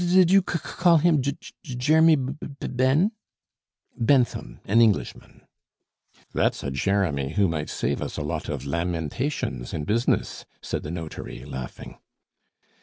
"D d did you c c call him Je Je Jeremy B Ben?" "Bentham, an Englishman.' "That's a Jeremy who might save us a lot of lamentations in business," said the notary, laughing.